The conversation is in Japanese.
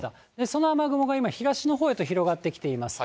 その雨雲が今、東のほうへと広がってきています。